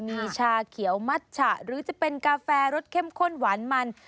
มีชาเขียวมัชฉะหรือจะเป็นกาแฟรสเข้มข้นหวานมัน